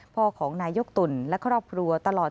พ่อของนายกตุ่นและครอบครัวตลอด